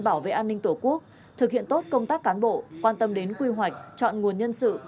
bảo vệ an ninh tổ quốc thực hiện tốt công tác cán bộ quan tâm đến quy hoạch chọn nguồn nhân sự